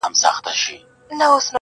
او په خمارو ماښامونو کي به ځان ووينم~